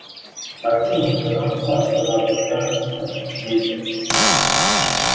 My feelings are not puffed about with every attempt to move them.